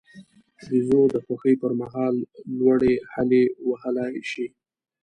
بیزو د خوښۍ پر مهال لوړې هلې وهلای شي.